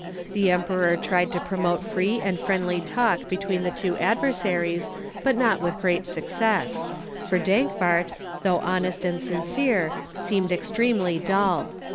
The Emperor tried to promote free and friendly talk between the two adversaries, but not with great success; for Dankwart, though honest and sincere, seemed extremely dull.